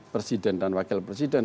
presiden dan wakil presiden